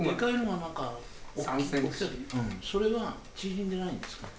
それは縮んでないんですか？